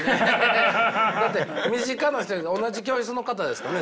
身近な人同じ教室の方ですかね？